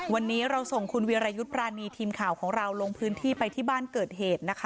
วันนี้เราส่งคุณวีรายุทรประณีทีมข่าวลงพื้นที่ไปบ้านเกิดเหตุนะคะ